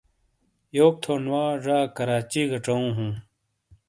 یوک تھون وا ڙا کراچی گہ ڇَؤوں ہُوں۔